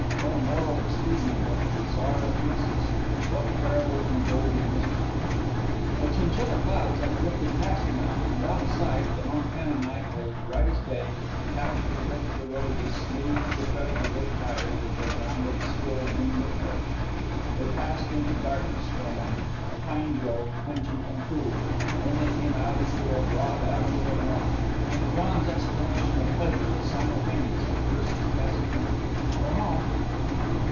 What a moral expedient of a bizarre Croesus? What terrible and golden mystery?... The chinchilla clouds had drifted past now and outside the Montana night was bright as day. The tapestry brick of the road was smooth to the tread of the great tyres as they rounded a still, moonlit lake; they passed into darkness for a moment, a pine grove, pungent and cool, then they came out into a broad avenue of lawn, and John's exclamation of pleasure was simultaneous with Percy's taciturn "We're home."